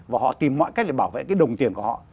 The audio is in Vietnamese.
và họ tìm mọi cách để bảo vệ cái đồng tiền của họ